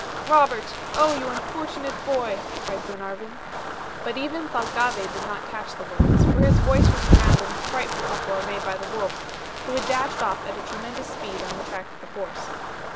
"Robert! oh you unfortunate boy," cried Glenarvan. But even Thalcave did not catch the words, for his voice was drowned in the frightful uproar made by the wolves, who had dashed off at a tremendous speed on the track of the horse.